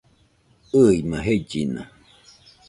ɨɨma jellina